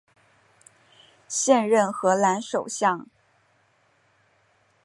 现任荷兰首相。